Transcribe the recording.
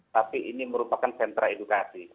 tapi ini merupakan sentra edukasi